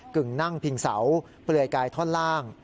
กึ่งนั่งพิงเสาเปลือยกายท่อนล่าง